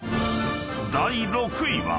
［第６位は］